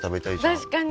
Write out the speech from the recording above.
確かに。